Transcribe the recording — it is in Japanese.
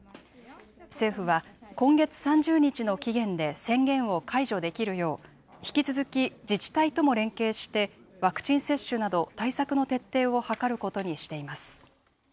政府は、今月３０日の期限で宣言を解除できるよう、引き続き自治体とも連携して、ワクチン接種など対策の徹底を図ることにしています。